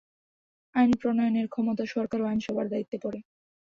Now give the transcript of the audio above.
আইন প্রণয়নের ক্ষমতা সরকার ও আইনসভার দায়িত্বে পড়ে।